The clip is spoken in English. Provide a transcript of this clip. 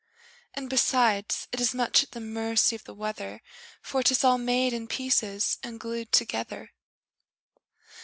And, besides, it is much at the mercy of the weather For 'tis all made in pieces and glued together!